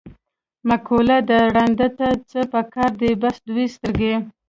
مقوله ده: ړانده ته څه په کار دي، بس دوه سترګې.